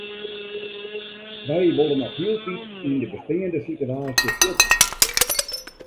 Wy wolle noch hieltyd yn de besteande sitewaasje fierder.